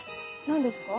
何ですか？